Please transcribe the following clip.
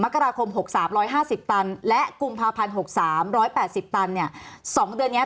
กราคม๖๓๑๕๐ตันและกุมภาพันธ์๖๓๑๘๐ตันเนี่ย๒เดือนนี้